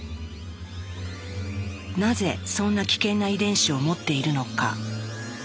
なぜそんな危険な遺伝子を持っているのか。